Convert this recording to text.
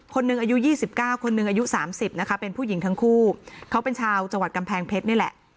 อายุ๒๙คนหนึ่งอายุ๓๐นะคะเป็นผู้หญิงทั้งคู่เขาเป็นชาวจังหวัดกำแพงเพชรนี่แหละ